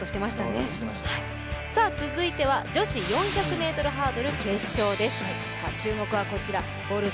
続いては女子４００ｍハードル決勝です。